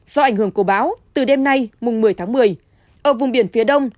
do ảnh hưởng của bão từ đêm nay mùng một mươi tháng một mươi ở vùng biển phía đông